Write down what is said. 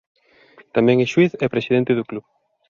Tamén é xuíz e presidente do club.